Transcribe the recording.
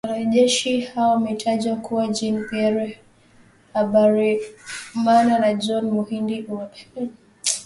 Wanajeshi hao wametajwa kuwa Jean Pierre Habyarimana Na John Muhindi Uwajeneza,